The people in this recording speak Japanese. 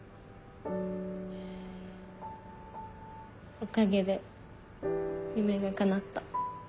おかげで夢がかなった。